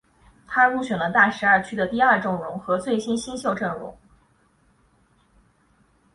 他入选了大十二区的第二阵容和最佳新秀阵容。